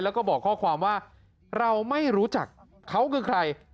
แล้วก็บอกข้อความว่าเราไม่รู้จักเขาคือใคร